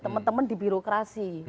temen temen di birokrasi